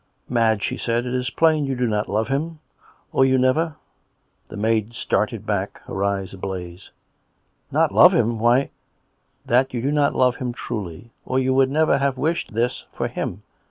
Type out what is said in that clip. ^' Madge," she said, "it is plain you do not love him; or you never " The maid started back, her eyes ablaze. " Not love him ! Why "" That you do not love him truly; or you would nerer have wished this for him.